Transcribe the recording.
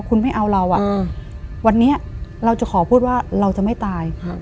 คุณไม่เอาเราวันนี้เราจะขอพูดว่าเราจะไม่ตาย